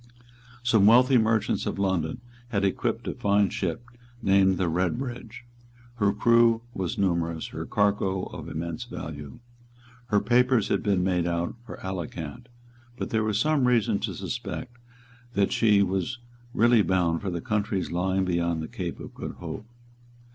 Some wealthy merchants of London had equipped a fine ship named the Redbridge. Her crew was numerous, her cargo of immense value. Her papers had been made out for Alicant: but there was some reason to suspect that she was really bound for the countries lying beyond the Cape of Good Hope.